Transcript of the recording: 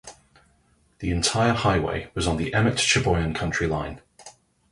The entire highway was on the Emmet-Cheboygan county line.